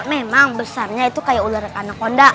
memang besarnya itu kayak ular anak konda